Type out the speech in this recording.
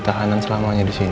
tahanan selamanya disini